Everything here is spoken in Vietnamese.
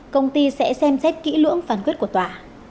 công ty sẽ xem xét kỹ lưỡng phán quyết của tòa